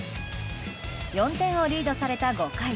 ４点をリードされた５回。